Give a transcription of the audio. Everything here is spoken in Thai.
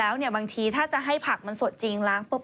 ก็ไปปนเปื้อนกับเนื้อฟันของคนที่กินสลัดื้อง